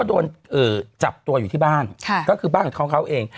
โดนจับตัวอยู่ที่บ้านก็คือบ้านของเขาเอง